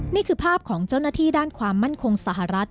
นี่คือภาพของเจ้าหน้าที่ด้านความมั่นคงสหรัฐ